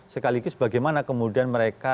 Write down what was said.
sekaligus bagaimana kemudian mereka